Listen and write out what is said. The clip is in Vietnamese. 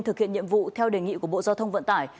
thực hiện nhiệm vụ theo đề nghị của bộ giao thông vận tải